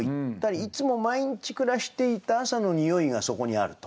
いつも毎日暮らしていた朝の匂いがそこにあると。